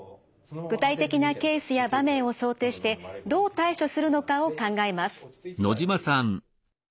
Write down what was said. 具体的なケースや場面を想定してどう対処するのかを考えます。